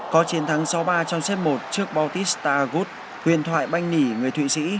có chiến thắng sáu ba trong xếp một trước baltic star good huyền thoại banh nỉ người thụy sĩ